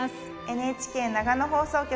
ＮＨＫ長野放送局